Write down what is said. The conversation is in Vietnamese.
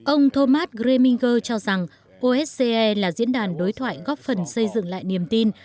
ông thomas greminger cho rằng osce là diễn đàn đối thoại góp phần xây dựng lại niềm tin